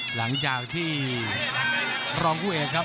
หลังจากที่รองผู้เอกครับ